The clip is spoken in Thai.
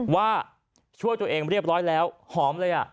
ว่าช่วยตัวเองเรียบร้อยแล้วหอมเลย